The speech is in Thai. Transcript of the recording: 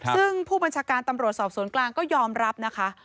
ซึ่งผู้บัญชาการตำรวจสอบสวนกลางก็ยอมรับนะคะ